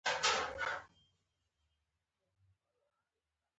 له دروازې چې ووتم، مېرمنې مې اوبه راپسې وشیندلې.